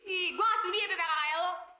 ih gue nggak sudi ya abis kakak kaya lo